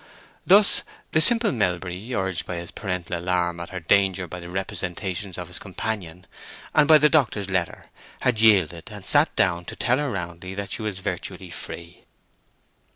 Thus the simple Melbury, urged by his parental alarm at her danger by the representations of his companion, and by the doctor's letter, had yielded, and sat down to tell her roundly that she was virtually free.